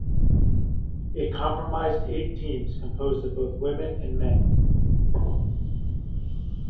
It comprised eight teams composed of both women and men.